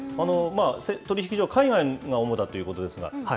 取引所、海外が主だということですが。